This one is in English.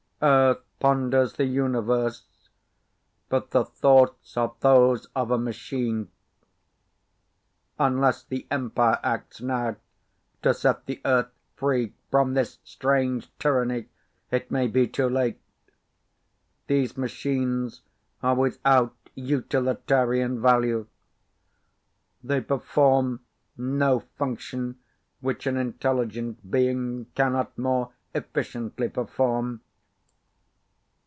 Earth ponders the universe, but the thoughts are those of a machine. Unless the Empire acts now to set the Earth free from this strange tyranny, it may be too late. These machines are without utilitarian value. They perform no function which an intelligent being cannot more efficiently perform.